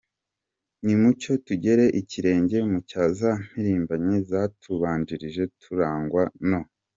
Nimucyo tugere ikirenge mu cya za mpirimbanyi zatubanjirije turangwa no: